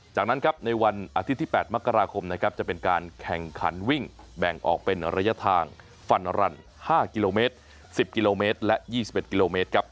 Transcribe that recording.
จากนั้นครับในวันอาทิตย์ที่๘มกราคมนะครับจะเป็นการแข่งขันวิ่งแบ่งออกเป็นระยะทางฟันรัน๕กิโลเมตร๑๐กิโลเมตรและ๒๑กิโลเมตรครับ